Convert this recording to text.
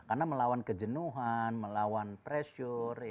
karena melawan kejenuhan melawan pressure